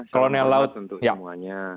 selamat untuk semuanya